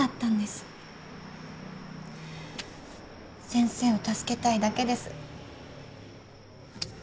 先生を助けたいだけです。